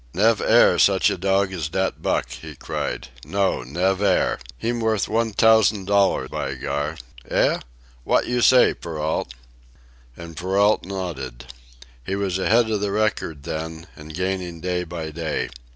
"Nevaire such a dog as dat Buck!" he cried. "No, nevaire! Heem worth one t'ousan' dollair, by Gar! Eh? Wot you say, Perrault?" And Perrault nodded. He was ahead of the record then, and gaining day by day.